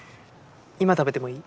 今食べてもいい？